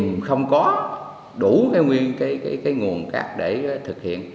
nhưng không có đủ nguyên cái nguồn cát để thực hiện